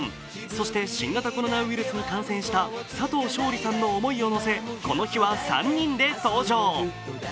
そして新型コロナウイルスに感染した佐藤勝利さんの思いを乗せ、この日は３人で登場。